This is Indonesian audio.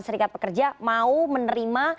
serikat pekerja mau menerima